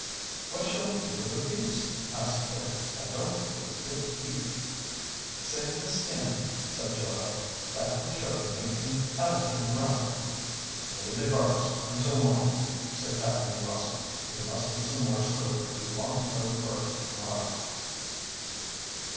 "What shall we do with the beast?" asked Dick. "I don't think it is good to eat." "Save the skin," said Dora. "That will surely make an elegant rug." "Leave the carcass until morning," said Captain Blossom. "We must get some more sleep if we want to go to work to morrow."